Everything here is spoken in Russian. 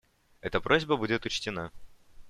Эта просьба будет учтена.